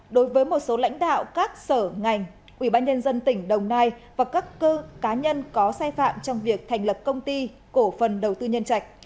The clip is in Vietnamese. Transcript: đối với một số lãnh đạo các sở ngành ủy ban nhân dân tỉnh đồng nai và các cơ cá nhân có sai phạm trong việc thành lập công ty cổ phần đầu tư nhân trạch